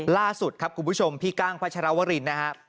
ล่าสุดครับคุณผู้ชมพี่กั้งพัชรวรินนะครับ